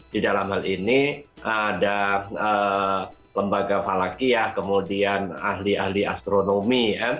di dalam hal ini ada lembaga falakiyah kemudian ahli ahli astronomi